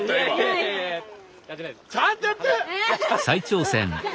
ちゃんとやって。